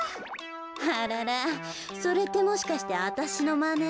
あららそれってもしかしてわたしのまね？